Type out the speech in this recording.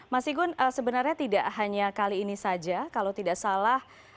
mas igun sebenarnya tidak hanya kali ini saja kalau tidak salah